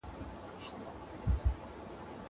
زه له سهاره اوبه پاکوم!!